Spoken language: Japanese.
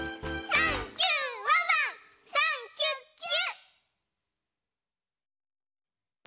「サンキュ！ワンワンサンキュッキュ！」